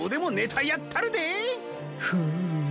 フーム。